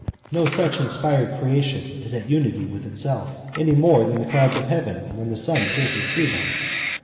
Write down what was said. No such inspired creation is at unity with itself, any more than the clouds of heaven when the sun pierces through them.